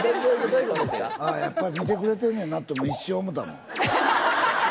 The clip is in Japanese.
やっぱり見てくれてんねんなって一瞬思うたもん。